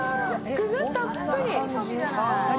具がたっぷり。